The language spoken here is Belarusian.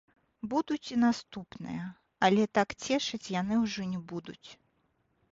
Будуць і наступныя, але так цешыць яны ўжо не будуць.